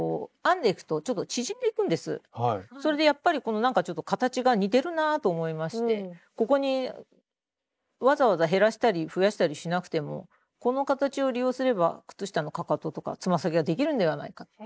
それでやっぱりなんかちょっと形が似てるなぁと思いましてここにわざわざ減らしたり増やしたりしなくてもこの形を利用すれば靴下のかかととかつま先ができるんではないか。